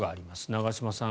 長嶋さん